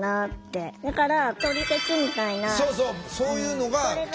そうそうそういうのが特に。